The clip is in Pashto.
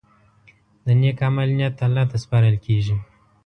د نیک عمل نیت الله ته سپارل کېږي.